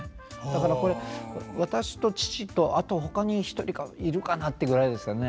だからこれ私と父とあとほかに１人かいるかなってぐらいですかね。